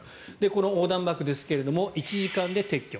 この横断幕ですが１時間で撤去。